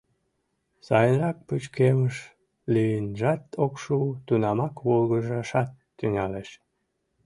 Сайынрак пычкемыш лийынжат ок шу, тунамак волгыжашат тӱҥалеш.